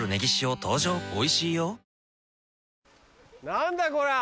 何だこれは。